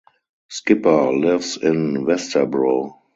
Skipper lives in Vesterbro.